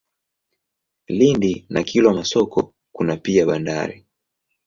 Lindi na Kilwa Masoko kuna pia bandari.